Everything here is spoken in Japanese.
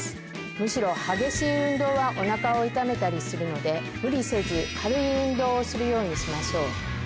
むしろ激しい運動はお腹を痛めたりするので。をするようにしましょう。